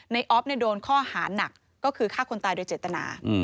ออฟโดนข้อหานักก็คือฆ่าคนตายโดยเจตนา